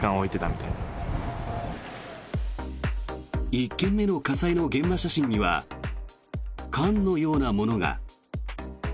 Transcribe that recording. １件目の火災の現場写真には缶のようなものが。